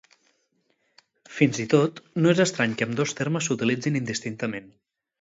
Fins i tot, no és estrany que ambdós termes s'utilitzin indistintament.